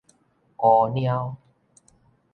烏貓